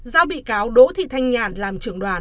do bị cáo đỗ thị thanh nhàn làm trưởng đoàn